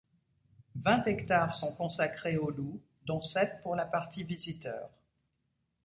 Vingt hectares sont consacrés au loup dont sept pour la partie visiteurs.